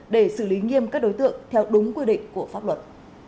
để xử lý nghiêm các đối tượng theo đúng quy định của pháp luật